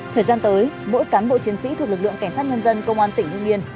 thời gian tới mỗi cán bộ chiến sĩ thuộc lực lượng cảnh sát nhân dân công an tỉnh hương yên